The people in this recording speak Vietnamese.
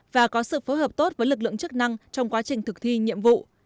và có sự phối hợp tốt với lực lượng chức năng trong quá trình thực thi nhiệm vụ